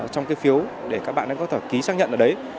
trong cái phiếu để các bạn ấy có thể ký xác nhận ở đấy